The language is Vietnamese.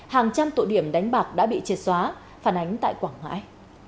hàng trăm tội điểm đánh bạc đã bị chết xóa phản ánh tại quảng hải